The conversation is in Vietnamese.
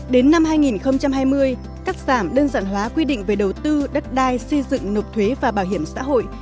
đến năm hai nghìn hai mươi cắt giảm đơn giản hóa quy định về đầu tư đất đai xây dựng nộp thuế và bảo hiểm xã hội